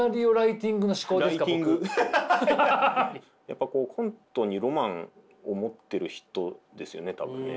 やっぱコントにロマンを持ってる人ですよね多分ね。